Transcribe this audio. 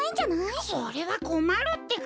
それはこまるってか。